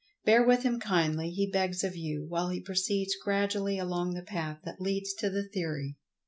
Bear with him kindly, he begs of you, while he proceeds gradually along the path that leads to the theory.